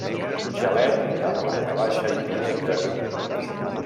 Xalet de planta baixa i pis amb jardí.